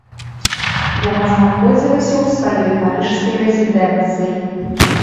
Яна знаходзілася ў сваёй парыжскай рэзідэнцыі.